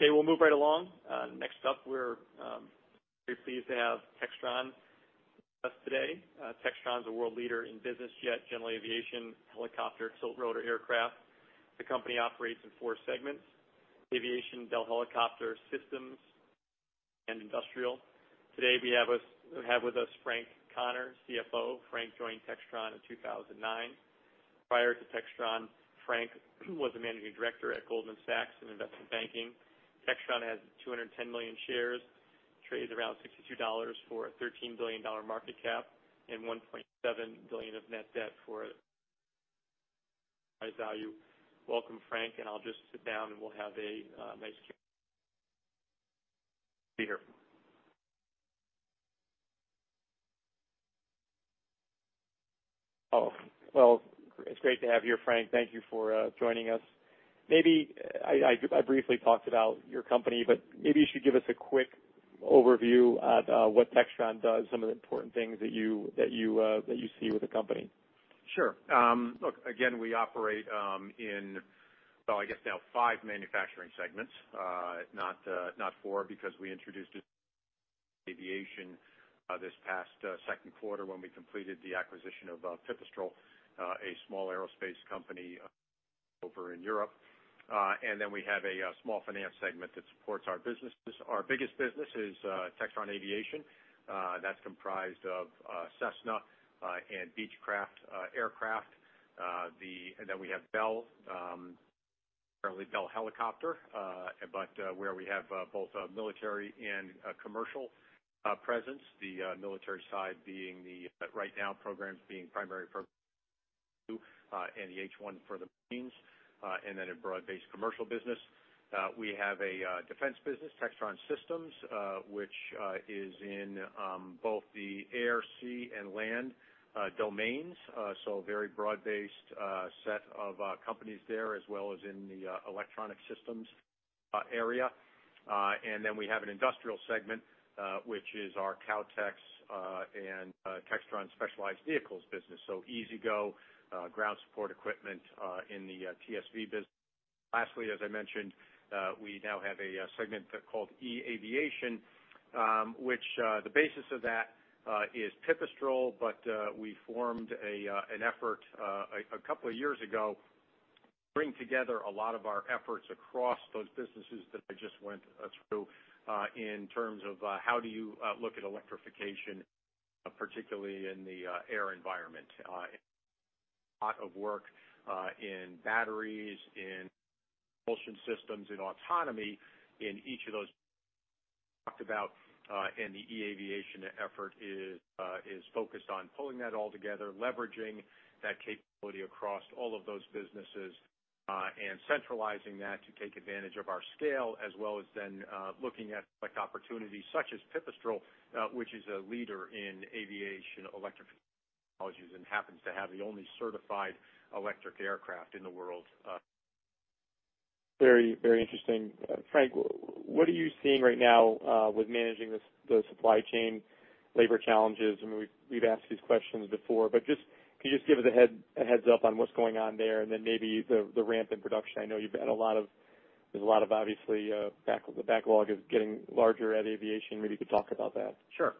Okay, we'll move right along. Next up, we're very pleased to have Textron with us today. Textron is a world leader in business jet, general aviation, helicopter, tiltrotor aircraft. The company operates in four segments: Textron Aviation, Bell Helicopter, Textron Systems, and Industrial. Today we have with us Frank Connor, CFO. Frank joined Textron in 2009. Prior to Textron, Frank was a managing director at Goldman Sachs in investment banking. Textron has 210 million shares, trades around $62 for a $13 billion market cap and $1.7 billion of net debt for its value. Welcome, Frank, and I'll just sit down, and we'll have a nice chat. Be here. Well, it's great to have you here, Frank. Thank you for joining us. Maybe I briefly talked about your company, but maybe you should give us a quick overview of what Textron does, some of the important things that you see with the company. Sure. Look, again, we operate in, well, I guess now five manufacturing segments, not four, because we introduced aviation this past second quarter when we completed the acquisition of Pipistrel, a small aerospace company over in Europe. We have a small finance segment that supports our businesses. Our biggest business is Textron Aviation. That's comprised of Cessna and Beechcraft aircraft. We have Bell, currently Bell Helicopter, but where we have both military and commercial presence. The military side being the right now programs being primary for and the H-1 for the Marines, and a broad-based commercial business. We have a defense business, Textron Systems, which is in both the air, sea, and land domains. A very broad-based set of companies there as well as in the electronic systems area. We have an industrial segment, which is our Kautex and Textron Specialized Vehicles business. E-Z-GO ground support equipment in the TSV business. Lastly, as I mentioned, we now have a segment called eAviation, which the basis of that is Pipistrel, but we formed an effort a couple of years ago to bring together a lot of our efforts across those businesses that I just went through in terms of how do you look at electrification, particularly in the air environment. A lot of work in batteries, in propulsion systems and autonomy in each of those talked about, and the eAviation effort is focused on pulling that all together, leveraging that capability across all of those businesses, and centralizing that to take advantage of our scale, as well as then looking at opportunities such as Pipistrel, which is a leader in aviation electrification technologies and happens to have the only certified electric aircraft in the world. Very, very interesting. Frank, what are you seeing right now with managing the supply chain labor challenges? I mean, we've asked these questions before, but can you just give us a heads-up on what's going on there and then maybe the ramp in production? I know there's a lot of obviously the backlog is getting larger at Aviation. Maybe you could talk about that. Sure.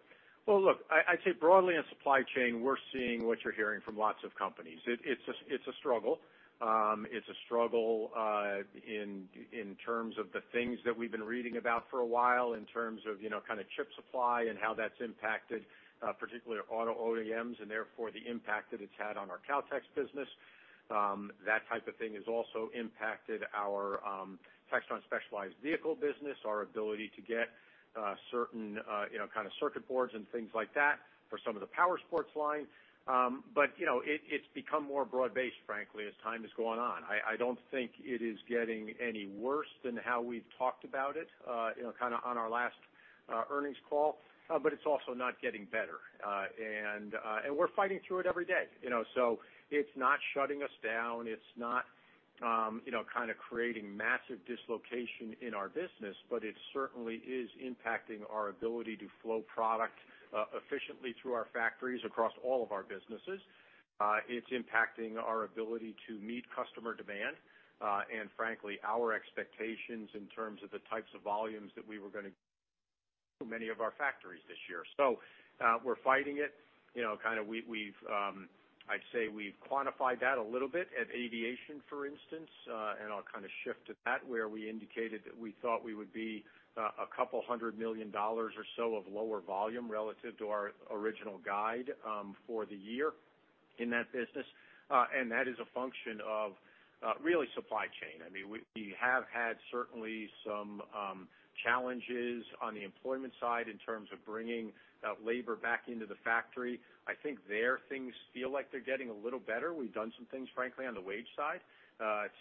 Well, look, I'd say broadly in supply chain, we're seeing what you're hearing from lots of companies. It's a struggle. It's a struggle in terms of the things that we've been reading about for a while in terms of you know kind of chip supply and how that's impacted particularly our auto OEMs, and therefore the impact that it's had on our Kautex business. That type of thing has also impacted our Textron Specialized Vehicles business, our ability to get certain you know kind of circuit boards and things like that for some of the power sports line. But you know it's become more broad-based frankly as time has gone on. I don't think it is getting any worse than how we've talked about it, you know, kinda on our last earnings call, but it's also not getting better. We're fighting through it every day, you know. It's not shutting us down. It's not, you know, kinda creating massive dislocation in our business, but it certainly is impacting our ability to flow product efficiently through our factories across all of our businesses. It's impacting our ability to meet customer demand, and frankly, our expectations in terms of the types of volumes that we were gonna run many of our factories this year. We're fighting it. You know, kinda we've quantified that a little bit at Aviation, for instance, and I'll kinda shift to that, where we indicated that we thought we would be $200 million or so of lower volume relative to our original guide for the year in that business. That is a function of really supply chain. I mean, we have had certainly some challenges on the employment side in terms of bringing labor back into the factory. I think things feel like they're getting a little better. We've done some things, frankly, on the wage side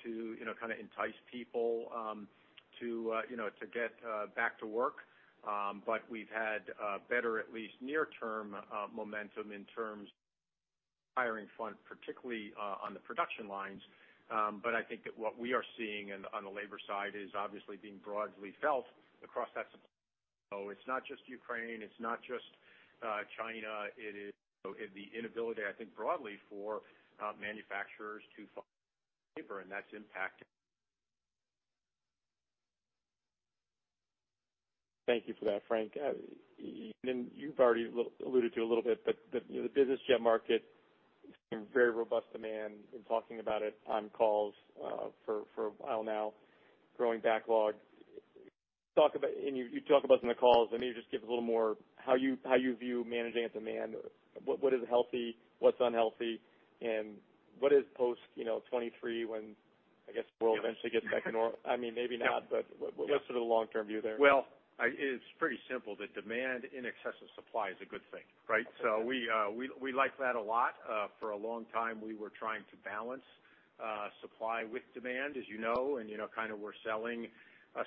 to you know, kinda entice people to get back to work. We've had better, at least near-term momentum in terms hiring front, particularly on the production lines. I think that what we are seeing on the labor side is obviously being broadly felt across that supply. It's not just Ukraine, it's not just China. It is the inability, I think, broadly for manufacturers to find people, and that's impacting. Thank you for that, Frank. You've already alluded to a little bit, but you know the business jet market, very robust demand. Been talking about it on calls for a while now, growing backlog. You talk about in the calls. I mean, just give a little more how you view managing its demand. What is healthy, what's unhealthy, and what is post, you know, 2023 when I guess we'll eventually get back to. I mean, maybe not, but what's sort of the long-term view there? Well, it's pretty simple. The demand in excess of supply is a good thing, right? We like that a lot. For a long time, we were trying to balance supply with demand, as you know, and you know, kinda were selling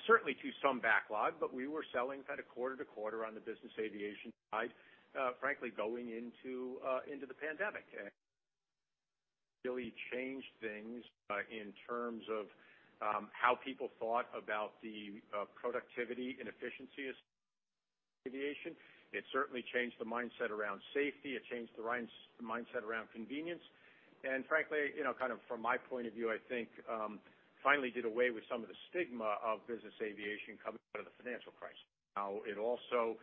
certainly to some backlog, but we were selling kind of quarter to quarter on the business aviation side, frankly, going into the pandemic. Really changed things in terms of how people thought about the productivity and efficiency of aviation. It certainly changed the mindset around safety. It changed the mindset around convenience. Frankly, you know, kind of from my point of view, I think finally did away with some of the stigma of business aviation coming out of the financial crisis. Now, it also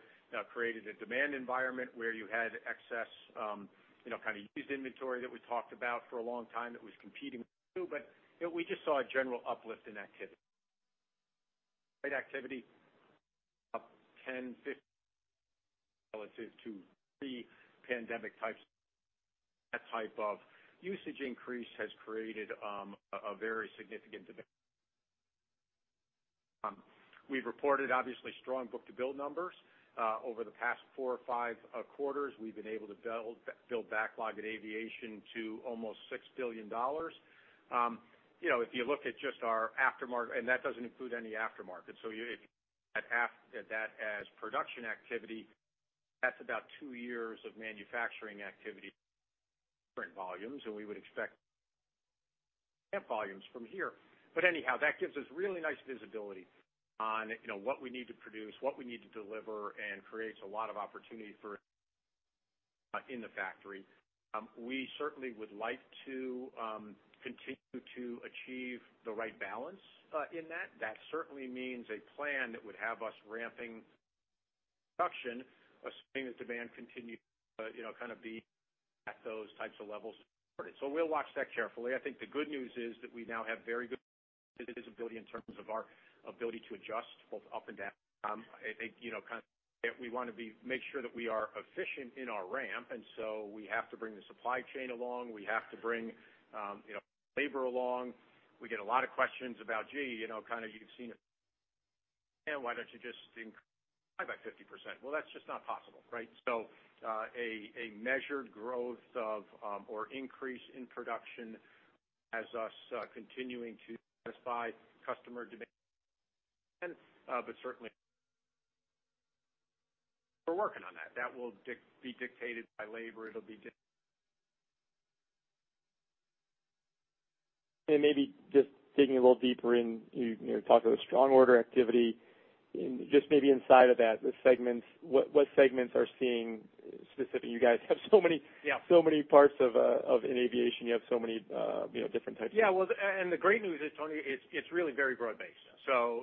created a demand environment where you had excess, you know, kind of used inventory that we talked about for a long time that was competing too. You know, we just saw a general uplift in activity. Activity up 10%-15% relative to pre-pandemic times. That type of usage increase has created a very significant demand. We've reported obviously strong book-to-bill numbers. Over the past four or five quarters, we've been able to build backlog at Aviation to almost $6 billion. You know, if you look at just our aftermarket. That doesn't include any aftermarket. If that's production activity, that's about two years of manufacturing activity current volumes, and we would expect volumes from here. Anyhow, that gives us really nice visibility on, you know, what we need to produce, what we need to deliver, and creates a lot of opportunity for in the factory. We certainly would like to continue to achieve the right balance in that. That certainly means a plan that would have us ramping production, assuming that demand continues, you know, kind of be at those types of levels. We'll watch that carefully. I think the good news is that we now have very good visibility in terms of our ability to adjust both up and down. I think, you know, kind of we wanna be make sure that we are efficient in our ramp, and we have to bring the supply chain along. We have to bring, you know, labor along. We get a lot of questions about, gee, you know, kinda you've seen it, and why don't you just increase by 50%? Well, that's just not possible, right? A measured growth of or increase in production has us continuing to satisfy customer demand, but certainly we're working on that. That will be dictated by labor. Maybe just digging a little deeper in, you know, talk about strong order activity. Just maybe inside of that, the segments, what segments are seeing specific? You guys have so many- Yeah. Many parts of an aviation. You have so many, you know, different types of- Yeah. Well, the great news is, Tony, it's really very broad-based.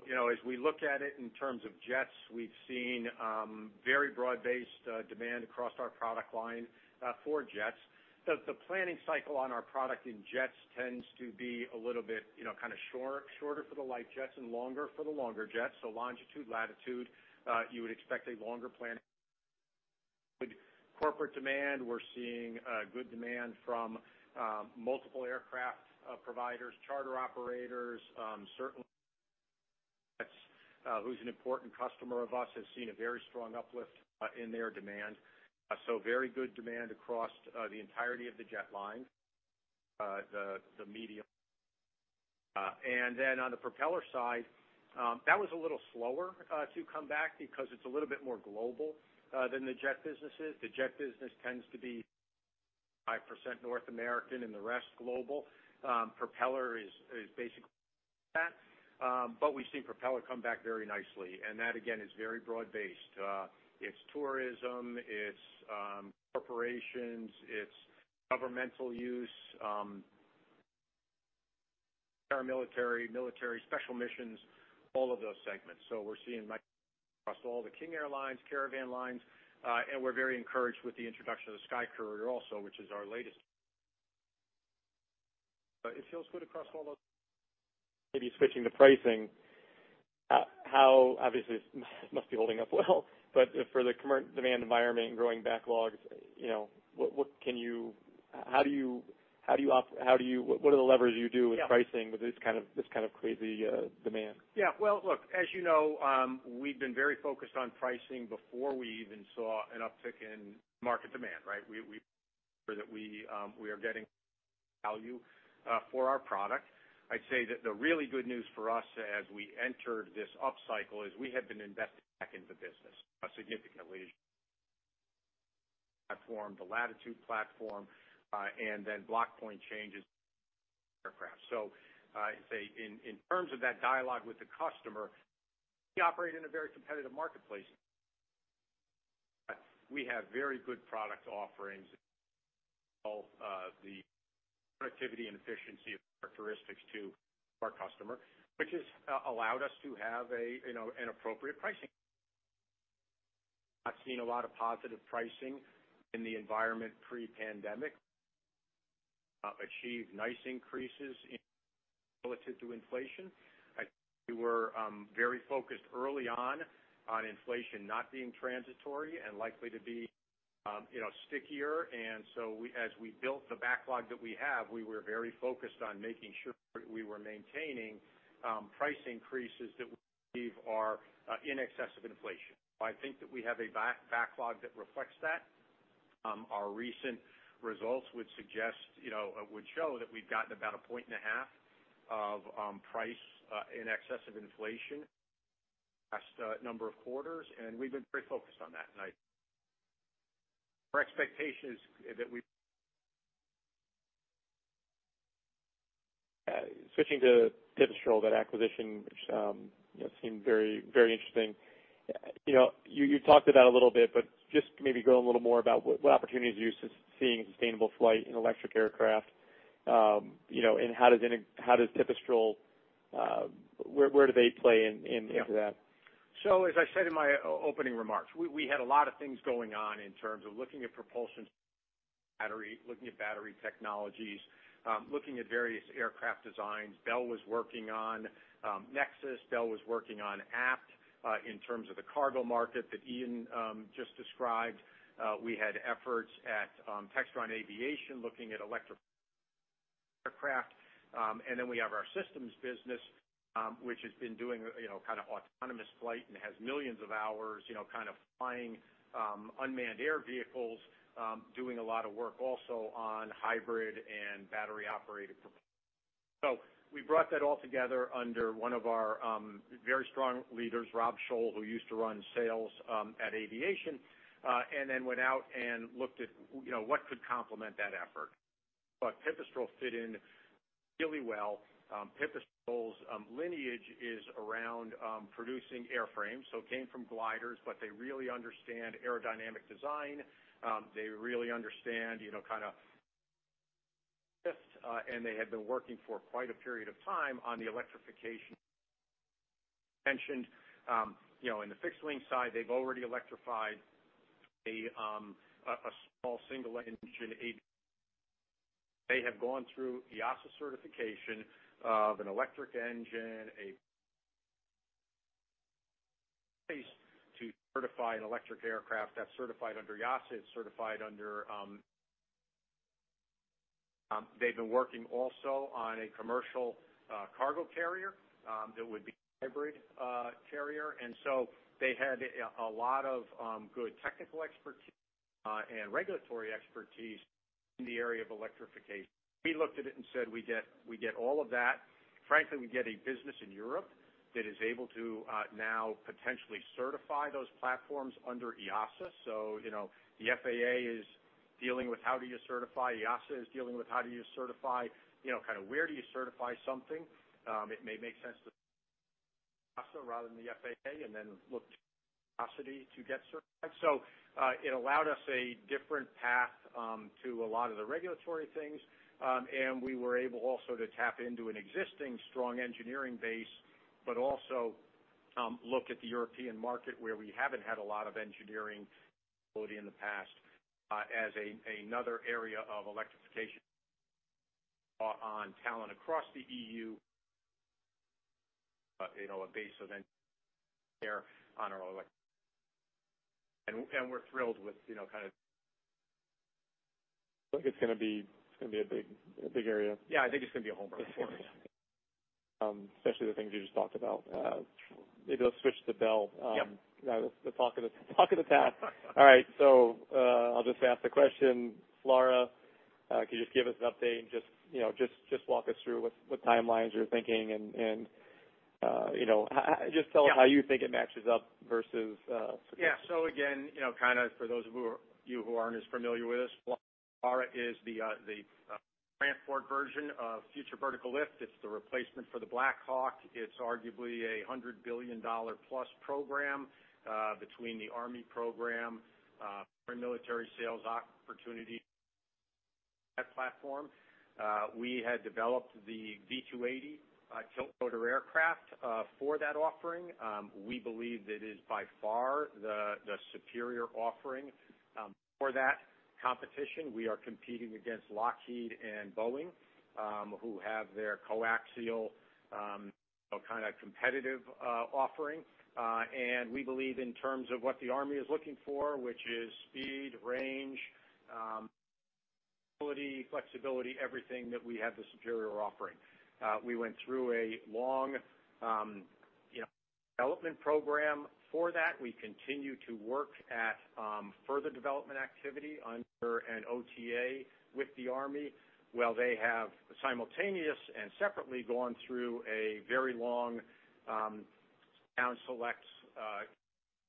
You know, as we look at it in terms of jets, we've seen very broad-based demand across our product line for jets. The planning cycle on our product in jets tends to be a little bit, you know, kinda short, shorter for the light jets and longer for the longer jets. Longitude, latitude, you would expect a longer plan with corporate demand. We're seeing good demand from multiple aircraft providers, charter operators, certainly that's who's an important customer of us, has seen a very strong uplift in their demand. Very good demand across the entirety of the jet line, the medium. On the propeller side, that was a little slower to come back because it's a little bit more global than the jet business is. The jet business tends to be 5% North American and the rest global. Propeller is basically that. We've seen propeller come back very nicely, and that again is very broad-based. It's tourism, it's corporations, it's governmental use, paramilitary, military, special missions, all of those segments. We're seeing across all the King Airlines, Caravan lines, and we're very encouraged with the introduction of the SkyCourier also, which is our latest. It feels good across all those. Maybe switching to pricing, how obviously this must be holding up well, but for the commercial demand environment and growing backlogs, you know, how do you, what are the levers you do with pricing? Yeah. With this kind of crazy demand? Yeah. Well, look, as you know, we've been very focused on pricing before we even saw an uptick in market demand, right? We are getting value for our product. I'd say that the really good news for us as we entered this upcycle is we have been investing back in the business significantly in the Latitude platform and then block point changes aircraft. In terms of that dialogue with the customer, we operate in a very competitive marketplace. We have very good product offerings, the productivity and efficiency characteristics to our customer, which has allowed us to have a, you know, an appropriate pricing. I've seen a lot of positive pricing in the environment pre-pandemic, achieve nice increases relative to inflation. I think we were very focused early on inflation not being transitory and likely to be, you know, stickier. As we built the backlog that we have, we were very focused on making sure we were maintaining price increases that we believe are in excess of inflation. I think that we have a backlog that reflects that. Our recent results would suggest, you know, would show that we've gotten about 1.5 points of price in excess of inflation last number of quarters, and we've been pretty focused on that. Our expectation is that we Switching to Pipistrel, that acquisition which, you know, seemed very, very interesting. You know, you talked about it a little bit, but just maybe go a little more about what opportunities are you seeing in sustainable flight in electric aircraft, you know, and how does Pipistrel, where do they play in into that? As I said in my opening remarks, we had a lot of things going on in terms of looking at propulsion, battery, looking at battery technologies, looking at various aircraft designs. Bell was working on Nexus. Bell was working on APT in terms of the cargo market that Ian just described. We had efforts at Textron Aviation looking at electric aircraft. And then we have our Textron Systems, which has been doing, you know, kind of autonomous flight and has millions of hours, you know, kind of flying unmanned air vehicles, doing a lot of work also on hybrid and battery-operated. We brought that all together under one of our very strong leaders, Rob Scholl, who used to run sales at Aviation, and then went out and looked at you know, what could complement that effort. Pipistrel fit in really well. Pipistrel's lineage is around producing airframes. It came from gliders, but they really understand aerodynamic design. They really understand, you know, kind of just, and they had been working for quite a period of time on the electrification. In the fixed-wing side, they've already electrified a small single engine. They have gone through EASA certification of an electric engine, the first to certify an electric aircraft that's certified under EASA. It's certified under EASA. They've been working also on a commercial cargo carrier that would be a hybrid carrier. They had a lot of good technical expertise and regulatory expertise in the area of electrification. We looked at it and said, we get all of that. Frankly, we get a business in Europe that is able to now potentially certify those platforms under EASA. You know, the FAA is dealing with how do you certify. EASA is dealing with how do you certify, you know, kind of where do you certify something? It may make sense to EASA rather than the FAA, and then look to EASA to get certified. It allowed us a different path to a lot of the regulatory things. We were also able to tap into an existing strong engineering base, but also look at the European market where we haven't had a lot of engineering ability in the past, as another area of electrification and talent across the EU, you know, a base of engineering there on our electrification. We're thrilled with, you know, kind of- Like it's gonna be a big area. Yeah, I think it's gonna be a home run for us. Especially the things you just talked about. Maybe let's switch to Bell. Yep. Talk of the town. All right. I'll just ask the question. FLRAA, could you just give us an update and just, you know, walk us through what timelines you're thinking and, you know, how, just tell us how you think it matches up versus competition. Yeah. Again, you know, kind of for those of you who aren't as familiar with this, FLRAA is the transport version of Future Vertical Lift. It's the replacement for the Black Hawk. It's arguably a $100 billion-plus program between the Army program, foreign military sales opportunity platform. We had developed the V-280 tiltrotor aircraft for that offering. We believe it is by far the superior offering for that competition. We are competing against Lockheed Martin and Boeing, who have their coaxial, you know, kind of competitive offering. We believe in terms of what the Army is looking for, which is speed, range, ability, flexibility, everything that we have the superior offering. We went through a long, you know, development program for that. We continue to work at further development activity under an OTA with the Army, while they have simultaneous and separately gone through a very long down-select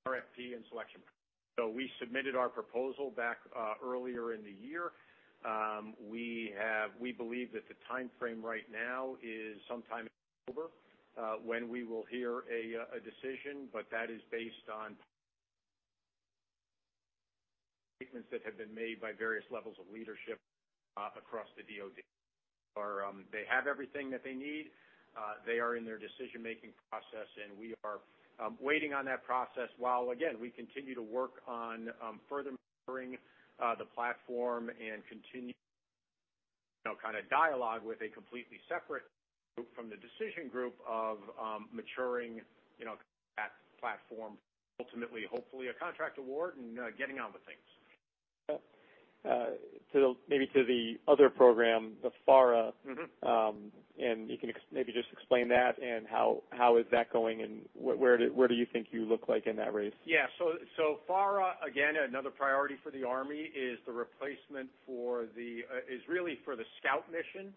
RFP and selection. We submitted our proposal back earlier in the year. We believe that the timeframe right now is sometime in October when we will hear a decision, but that is based on statements that have been made by various levels of leadership across the DOD. They have everything that they need. They are in their decision-making process, and we are waiting on that process while, again, we continue to work on further maturing the platform and continue, you know, kind of dialogue with a completely separate group from the decision group of maturing, you know, that platform, ultimately, hopefully, a contract award and getting on with things. Maybe to the other program, the FARA. Mm-hmm. Maybe just explain that and how is that going and where do you think you look like in that race? Yeah. FARA, again, another priority for the Army, is really for the scout mission.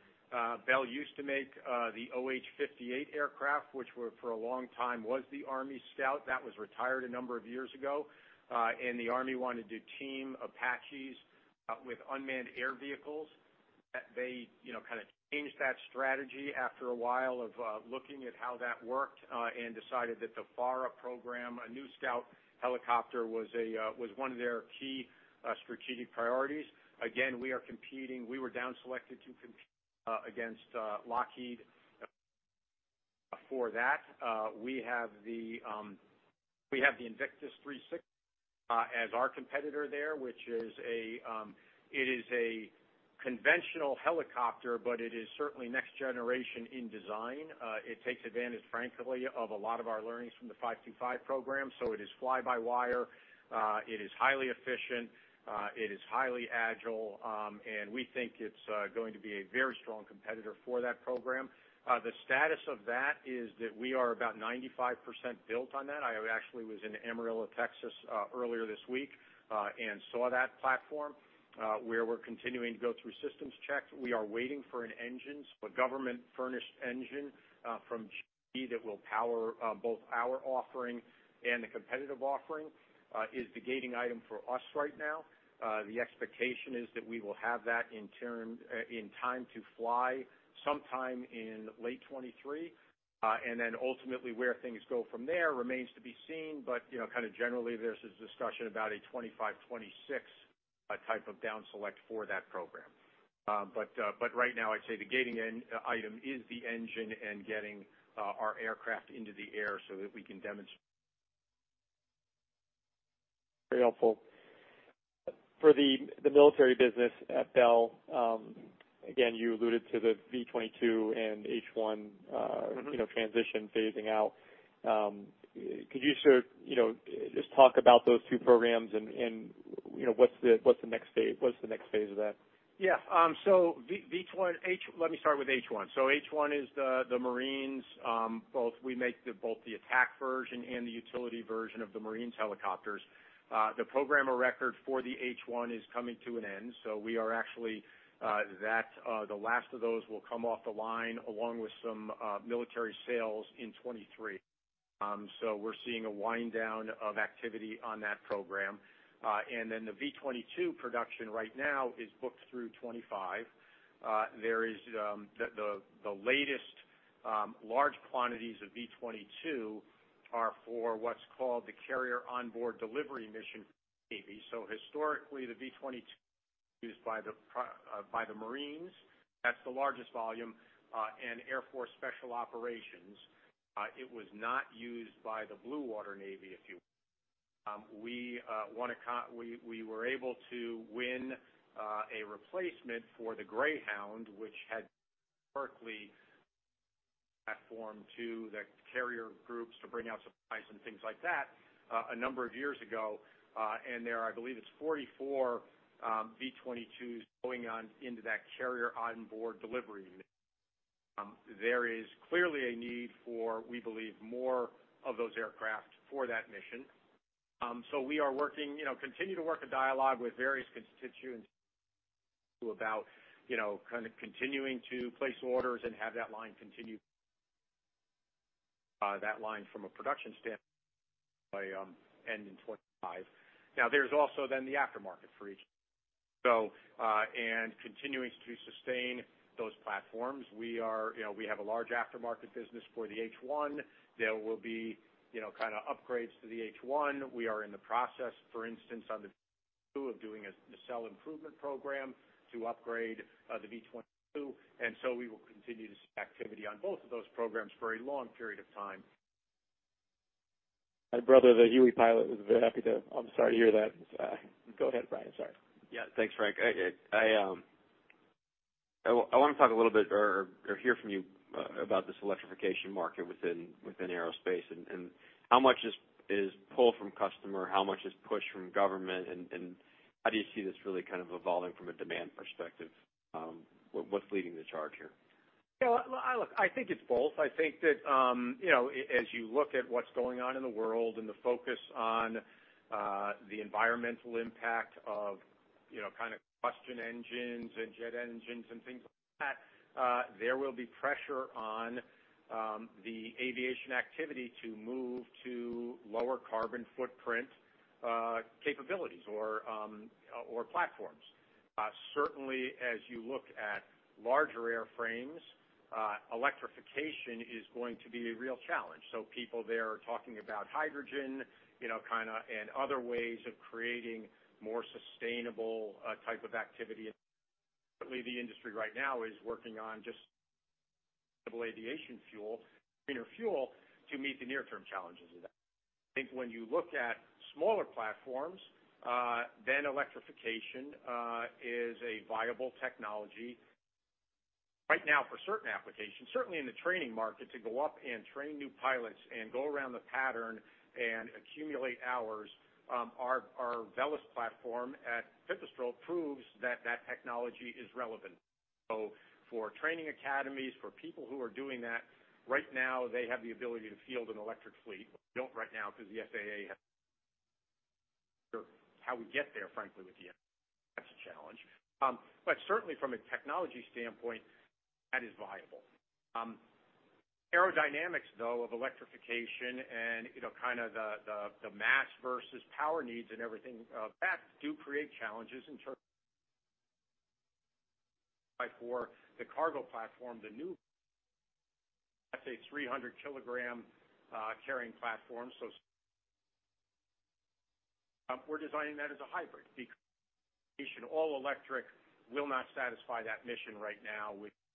Bell used to make the OH-58 aircraft, which were for a long time was the Army Scout. That was retired a number of years ago. The Army wanted to team Apaches with unmanned air vehicles. They, you know, kind of changed that strategy after a while of looking at how that worked and decided that the FARA program, a new scout helicopter was one of their key strategic priorities. Again, we are competing. We were down selected to compete against Lockheed for that. We have the 360 Invictus as our competitor there, which is a conventional helicopter, but it is certainly next generation in design. It takes advantage, frankly, of a lot of our learnings from the 525 program. It is fly-by-wire. It is highly efficient. It is highly agile, and we think it's going to be a very strong competitor for that program. The status of that is that we are about 95% built on that. I actually was in Amarillo, Texas, earlier this week, and saw that platform, where we're continuing to go through systems checks. We are waiting for an engine, a government-furnished engine, from GE that will power both our offering and the competitive offering, is the gating item for us right now. The expectation is that we will have that in time to fly sometime in late 2023. Ultimately, where things go from there remains to be seen. You know, kind of generally, there's a discussion about a 25, 26 type of downselect for that program. Right now, I'd say the gating end item is the engine and getting our aircraft into the air so that we can demonstrate. Very helpful. For the military business at Bell, again, you alluded to the V-22 and H-1. Mm-hmm you know, transition phasing out. Could you sort of, you know, just talk about those two programs and, you know, what's the next phase of that? Yeah. Let me start with H-1. H-1 is the Marines, both we make the attack version and the utility version of the Marines helicopters. The program of record for the H-1 is coming to an end. We are actually that the last of those will come off the line along with some military sales in 2023. We're seeing a wind down of activity on that program. The V-22 production right now is booked through 2025. There is the latest large quantities of V-22 are for what's called the carrier onboard delivery mission. Historically, the V-22 used by the Marines, that's the largest volume, and Air Force Special Operations. It was not used by the blue-water navy, if you. We were able to win a replacement for the Greyhound, which had Bell platform to the carrier groups to bring out supplies and things like that a number of years ago. There are, I believe it's 44 V-22s going on into that carrier onboard delivery. There is clearly a need for, we believe, more of those aircraft for that mission. We are working, you know, continue to work a dialogue with various constituents about, you know, kind of continuing to place orders and have that line continue from a production standpoint by end in 2025. Now, there's also then the aftermarket for each. Continuing to sustain those platforms, we are, you know, we have a large aftermarket business for the H-1. There will be, you know, kind of upgrades to the H-1. We are in the process, for instance, on the V-22 of doing a Nacelle Improvement program to upgrade the V-22. We will continue to see activity on both of those programs for a long period of time. My brother, the Huey pilot, was very happy. I'm sorry to hear that. Go ahead, Brian. Sorry. Yeah. Thanks, Frank. I wanna talk a little bit or hear from you about this electrification market within aerospace and how much is pull from customer, how much is push from government, and how do you see this really kind of evolving from a demand perspective? What's leading the charge here? Yeah, well, look, I think it's both. I think that, you know, as you look at what's going on in the world and the focus on, the environmental impact of, you know, kind of combustion engines and jet engines and things like that, there will be pressure on, the aviation activity to move to lower carbon footprint, capabilities or platforms. Certainly as you look at larger airframes, electrification is going to be a real challenge. People there are talking about hydrogen, you know, kinda, and other ways of creating more sustainable, type of activity. The industry right now is working on just aviation fuel, cleaner fuel to meet the near-term challenges of that. I think when you look at smaller platforms, then electrification, is a viable technology right now for certain applications. Certainly in the training market, to go up and train new pilots and go around the pattern and accumulate hours, our Velis platform at Pipistrel proves that technology is relevant. For training academies, for people who are doing that, right now they have the ability to field an electric fleet. We don't right now. How we get there, frankly, with the FAA, that's a challenge. Certainly from a technology standpoint, that is viable. Aerodynamics, though, of electrification and, you know, kinda the mass versus power needs and everything, that do create challenges in terms. Like for the cargo platform, that's a 300-kilogram carrying platform, so. We're designing that as a hybrid because all electric will not satisfy that mission right now with. You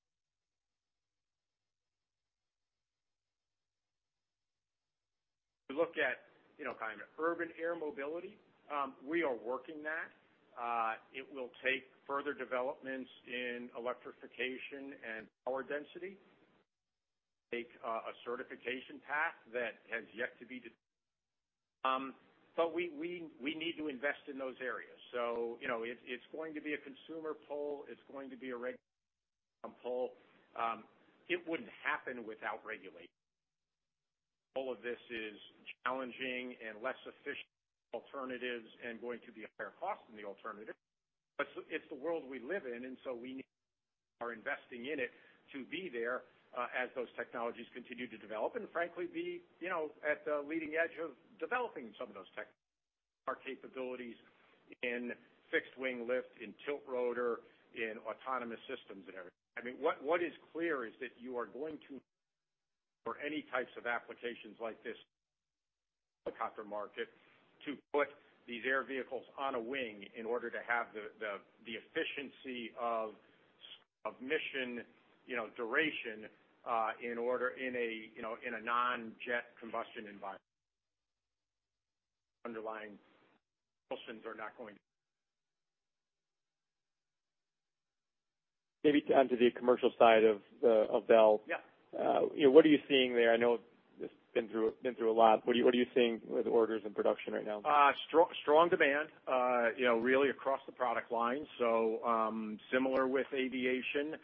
look at, you know, kind of urban air mobility. We are working that. It will take further developments in electrification and power density. We need to invest in those areas. You know, it's going to be a consumer pull. It's going to be a regulatory pull. It wouldn't happen without regulation. All of this is challenging and less efficient alternatives and going to be a higher cost than the alternative. It's the world we live in, and so we are investing in it to be there as those technologies continue to develop, and frankly, you know, be at the leading edge of developing some of those tech. Our capabilities in fixed-wing lift, in tiltrotor, in autonomous systems and everything. I mean, what is clear is that you are going to or any types of applications like this helicopter market to put these air vehicles on a wing in order to have the efficiency of mission, you know, duration in a non-jet combustion environment. Underlying missions are not going. Maybe onto the commercial side of Bell. Yeah. You know, what are you seeing there? I know it's been through a lot. What are you seeing with orders in production right now? Strong demand, you know, really across the product line. Similar with aviation,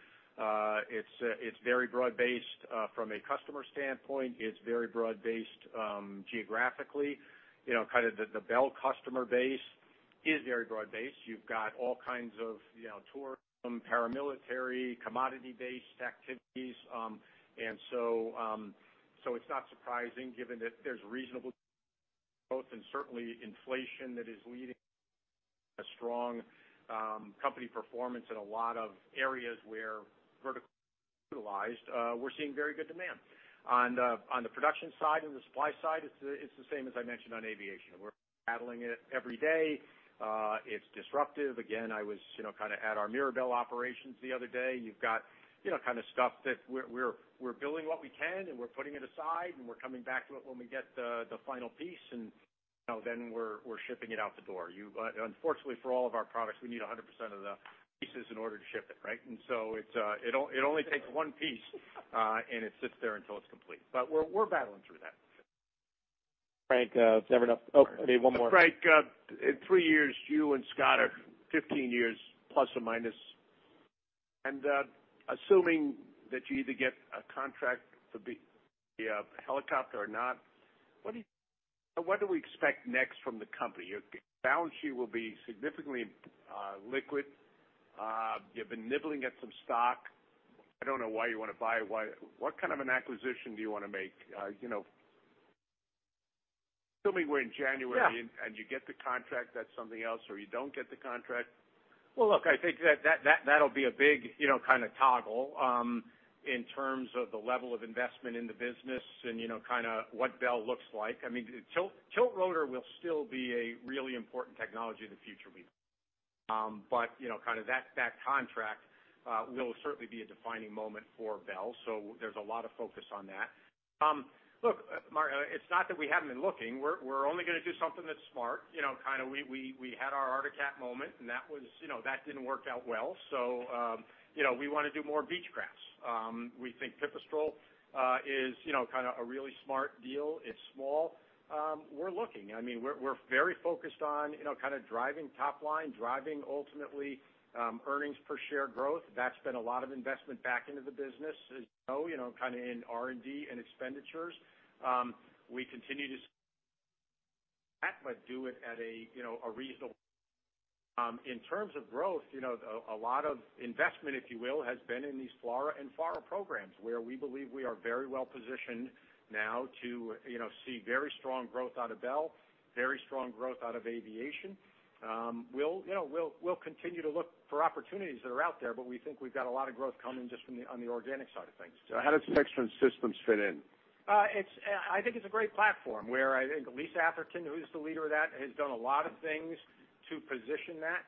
it's very broad-based from a customer standpoint. It's very broad-based geographically. You know, kind of the Bell customer base is very broad-based. You've got all kinds of, you know, tourism, paramilitary, commodity-based activities. It's not surprising given that there's reasonable growth and certainly inflation that is leading a strong company performance in a lot of areas where verticals are utilized. We're seeing very good demand. On the production side and the supply side, it's the same as I mentioned on aviation. We're battling it every day. It's disruptive. Again, I was, you know, kinda at our Mirabel operations the other day. You've got, you know, kinda stuff that we're building what we can, and we're putting it aside, and we're coming back to it when we get the final piece, and then we're shipping it out the door. Unfortunately for all of our products, we need 100% of the pieces in order to ship it, right? It only takes one piece, and it sits there until it's complete. We're battling through that. Frank, oh, I mean, one more. Frank, in three years, you and Scott are 15 years plus or minus. Assuming that you either get a contract for the helicopter or not, what do we expect next from the company? Your balance sheet will be significantly liquid. You've been nibbling at some stock. I don't know why you wanna buy it. What kind of an acquisition do you wanna make? You know, assuming we're in January. Yeah. you get the contract, that's something else, or you don't get the contract. Well, look, I think that'll be a big, you know, kinda toggle in terms of the level of investment in the business and, you know, kinda what Bell looks like. I mean, tiltrotor will still be a really important technology in the future. You know, kinda that contract will certainly be a defining moment for Bell. There's a lot of focus on that. Look, Mark, it's not that we haven't been looking. We're only gonna do something that's smart. You know, we had our Arctic Cat moment, and that was, you know, that didn't work out well. You know, we wanna do more Beechcraft. We think Pipistrel is, you know, kinda a really smart deal. It's small. We're looking. I mean, we're very focused on, you know, kinda driving top line, driving ultimately, earnings per share growth. That's been a lot of investment back into the business. You know, kinda in R&D and expenditures. We continue to do it at a, you know, a reasonable. In terms of growth, you know, a lot of investment, if you will, has been in these FLRAA and FARA programs, where we believe we are very well positioned now to, you know, see very strong growth out of Bell, very strong growth out of Aviation. We'll, you know, continue to look for opportunities that are out there, but we think we've got a lot of growth coming just from the, on the organic side of things. How does Textron Systems fit in? I think it's a great platform, where I think Lisa Atherton, who's the leader of that, has done a lot of things to position that.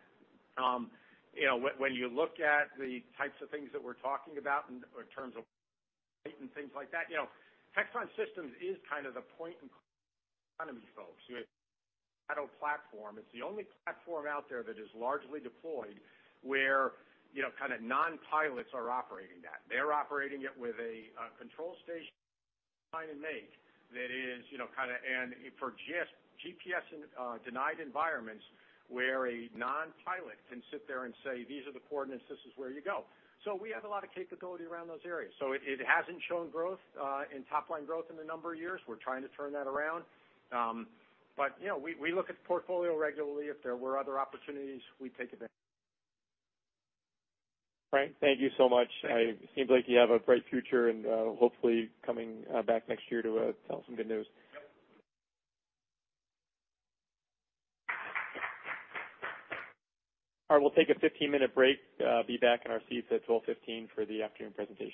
You know, when you look at the types of things that we're talking about in terms of things like that, you know, Textron Systems is kind of the point and economy, folks. Battle platform. It's the only platform out there that is largely deployed where, you know, kinda non-pilots are operating that. They're operating it with a control station, you know, kinda for GPS denied environments where a non-pilot can sit there and say, "These are the coordinates, this is where you go." We have a lot of capability around those areas. It hasn't shown growth in top-line growth in a number of years. We're trying to turn that around. You know, we look at the portfolio regularly. If there were other opportunities, we'd take advantage Frank, thank you so much. Seems like you have a bright future, and hopefully coming back next year to tell some good news. Yep. All right, we'll take a 15-minute break. Be back in our seats at 12:15 P.M. for the afternoon presentations.